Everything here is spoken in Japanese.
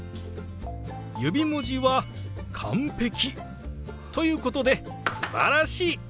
指文字は完璧ということですばらしい！